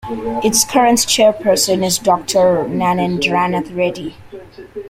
Its current chairperson is Doctor Narendranath Reddy.